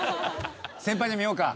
先輩の見ようか。